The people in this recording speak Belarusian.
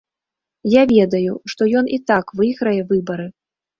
Я ведаю, што ён і так выйграе выбары!